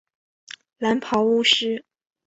蓝袍巫师。